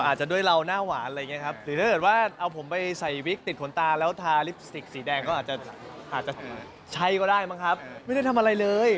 ใช่ก็ได้มั้งครับไม่ได้ทำอะไรเลย